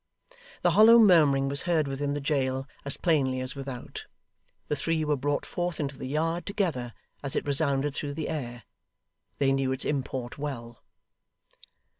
The hollow murmuring was heard within the jail as plainly as without. The three were brought forth into the yard, together, as it resounded through the air. They knew its import well.